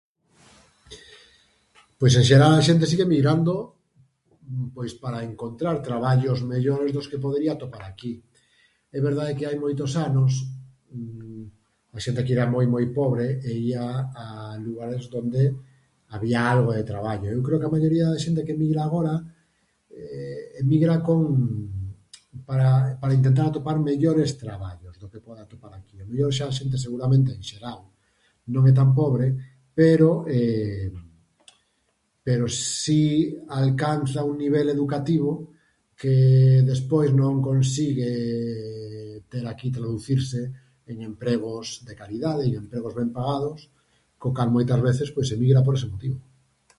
Pois en xeral a xente sigue migrando, pois para encontrar traballos mellores dos que podería atopar aquí. É verdade que hai moitos anos, a xente que era moi moi pobre e ía a lugares donde había algo de traballo. Eu creo que a maioría da xente que migra agora emigra con, para para intentar atopar mellores traballos do que pode atopar aquí. Ao mellor a xente xa, en xeral, non é tan pobre, pero pero si alcanza un nivel educativo que despois non consigue ter aquí, traducirse en empregos de calidade, en empregos ben pagados, co cal moitas veces, pois emigra por ese motivo.